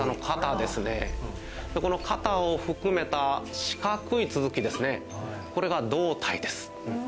この肩を含めた四角い続きですねこれが胴体です。